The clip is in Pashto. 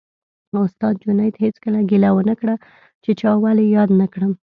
استاد جنید هېڅکله ګیله ونه کړه چې چا ولې یاد نه کړم